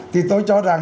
thì tôi chẳng hạn